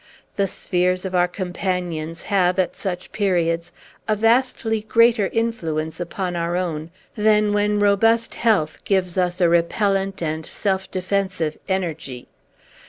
The spheres of our companions have, at such periods, a vastly greater influence upon our own than when robust health gives us a repellent and self defensive energy.